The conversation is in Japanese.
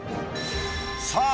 さあ